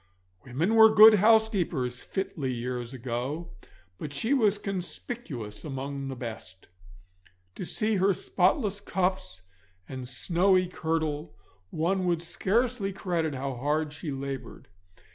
Women were good housekeepers fitly years ago, but she was conspicuous among the best. To see her spotless cuffs and snowy kirtle one would scarce credit how hard she laboured.